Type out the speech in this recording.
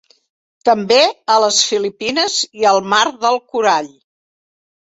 També a les Filipines i al Mar del Corall.